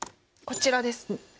こちらです。